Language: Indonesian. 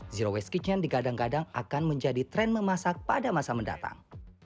zero waste kitchen digadang gadang akan menjadi tren memasak pada masa mendatang